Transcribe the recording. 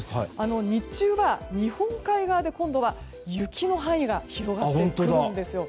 日中は日本海側で今度は雪の範囲が広がってくるんですよ。